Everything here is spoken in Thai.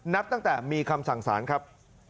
นับตั้งแต่มีคำสั่งสารครับ